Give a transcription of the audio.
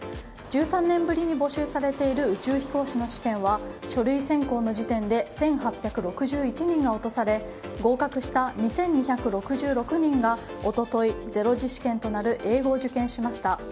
１３年ぶりに募集されている宇宙飛行士の試験は書類選考の時点で１８６１人が落とされ合格した２２６６人が一昨日、０次試験となる英語を受験しました。